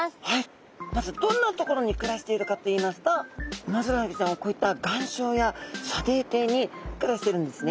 まずどんなところにくらしているかといいますとウマヅラハギちゃんはこういった岩礁や砂泥底にくらしてるんですね。